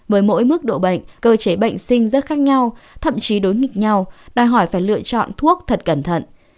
với mỗi mức độ bệnh cơ chế bệnh sinh rất khác nhau thậm chí đối nghịch nhau đòi hỏi phải lựa chọn thuốc thật cẩn thận